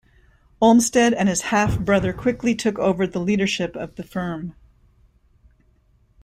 Olmsted and his half brother quickly took over leadership of the firm.